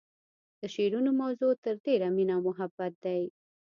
د شعرونو موضوع تر ډیره مینه او محبت دی